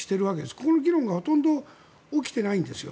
ここの議論がほとんど起きていないんですよ。